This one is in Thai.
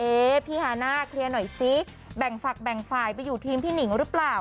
พี่ฮาน่าเคลียร์หน่อยซิแบ่งฝักแบ่งฝ่ายไปอยู่ทีมพี่หนิงหรือเปล่า